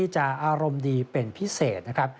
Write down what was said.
จะอารมณ์ดีเป็นพิเศษนะครับ